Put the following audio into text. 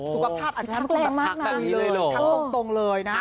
สุขภาพอาจจะทำให้คุณแบบทักตรงเลยนะ